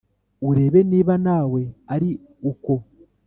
urebe niba nawe ari uko